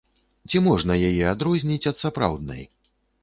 Ці можна яе адрозніць ад сапраўднай?